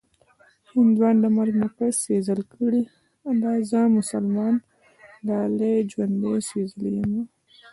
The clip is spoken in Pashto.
هندوان د مرګ نه پس سېزل کړي-زه مسلمان لالي ژوندۍ سېزلې یمه